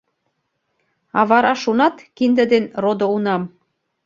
А вара шунат кинде ден родо-унам.